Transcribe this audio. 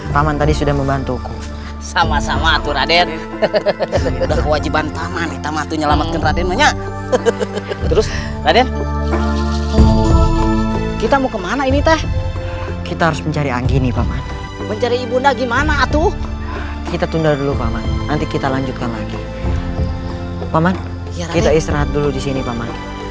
paman kita istirahat dulu disini paman